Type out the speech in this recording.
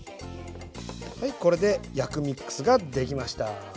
はいこれで薬味ックスができました。